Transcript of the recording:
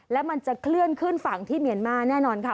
และมันจะเคลื่อนขึ้นฝั่งที่เมียนมาแน่นอนค่ะ